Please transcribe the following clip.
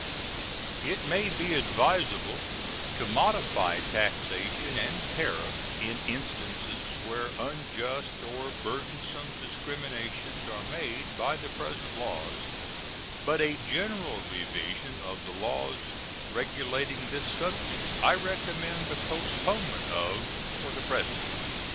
It may be advisable to modify taxation and tariff in instances where unjust or burdensome discriminations are made by the present laws, but a general revision of the laws regulating this subject I recommend the postponement of for the present.